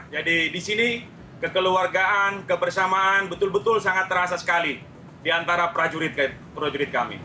jadi di sini kekeluargaan kebersamaan betul betul sangat terasa sekali di antara prajurit kami